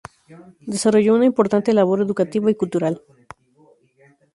Desarrolló una importante labor educativa y cultural.